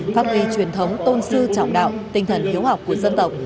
phát huy truyền thống tôn sư trọng đạo tinh thần hiếu học của dân tộc